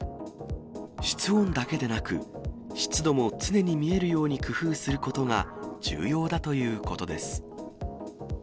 室温だけでなく、湿度も常に見えるように工夫することが、重要だということです。